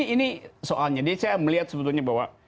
ini soalnya dia melihat sebetulnya bahwa